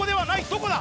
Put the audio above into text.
どこだ？